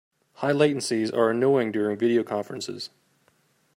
High latencies are annoying during video conferences.